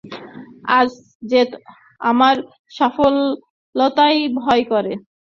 আজ যে আমার সকলতাতেই ভয় করে।